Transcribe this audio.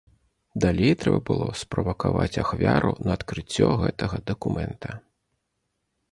Далей трэба было справакаваць ахвяру на адкрыццё гэтага дакумента.